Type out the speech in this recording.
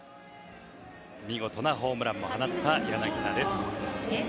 見事なホームランも放った柳田です。